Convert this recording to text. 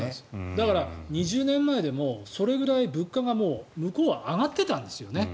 だから、２０年前でもそれぐらい物価が向こうは上がってたんですよね。